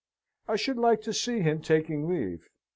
I should like to see him taking leave.